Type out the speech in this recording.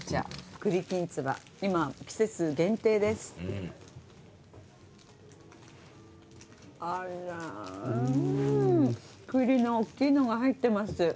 クリのおっきいのが入ってます。